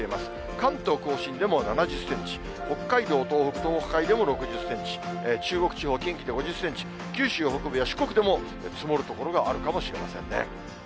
関東甲信でも７０センチ、北海道、東北、東海でも６０センチ、中国地方、近畿で５０センチ、九州北部や四国でも積もる所があるかもしれませんね。